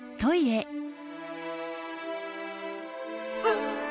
うん。